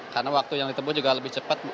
karena waktu yang ditempuh juga lebih cepat